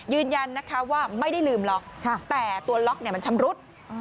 ยืนยันนะคะว่าไม่ได้ลืมล็อกแต่ตัวล็อกมันชำรุด